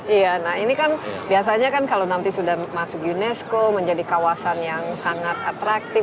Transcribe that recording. iya nah ini kan biasanya kan kalau nanti sudah masuk unesco menjadi kawasan yang sangat atraktif